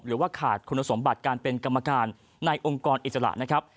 หรือว่าขาดคุณสมบัติการเป็นกรรมการในองค์กรอิสระนะครับ